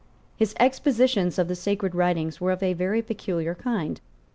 His expositions of the sacred writings were of a very peculiar kind.